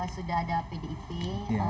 sudah ada pdip itu